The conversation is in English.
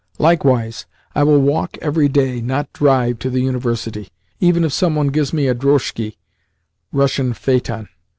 Likewise I will walk every day, not drive, to the University. Even if some one gives me a drozhki [Russian phaeton.